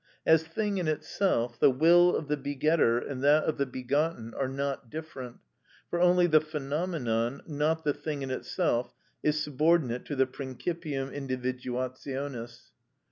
As thing in itself, the will of the begetter and that of the begotten are not different, for only the phenomenon, not the thing in itself, is subordinate to the principim individuationis.